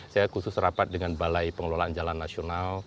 saya khusus rapat dengan balai pengelolaan jalan nasional